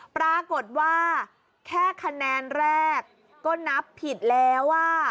ปรากฏว่าแค่คะแนนแรกก็นับผิดแล้วว่า